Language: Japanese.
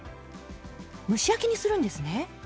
蒸し焼きにするんですね。